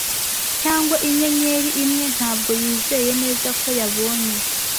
Cyangwa inyenyeri imwe ntabwo yizeye neza ko yabonye